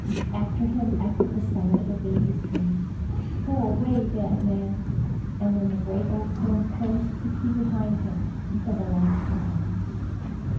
After him echoed the sound of a baby's voice, "Go away, bad man!" and then the great oak door closed quickly behind him for the last time.